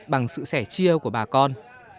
bằng sự sẻ chia của bà con